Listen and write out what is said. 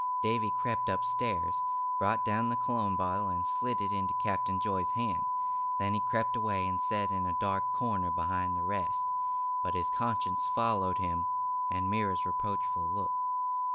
Davy crept upstairs, brought down the cologne bottle and slid it into Captain Joy's hand; then he crept away and sat in a dark corner behind the rest, but his conscience followed him, and Myra's reproachful look.